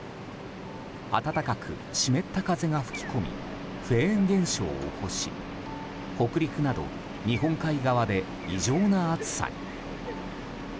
暖かく湿った風が吹き込みフェーン現象を起こし、北陸など日本海側で異常な暑さに。